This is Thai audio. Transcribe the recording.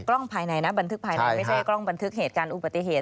กล้องภายในนะบันทึกภายในไม่ใช่กล้องบันทึกเหตุการณ์อุบัติเหตุ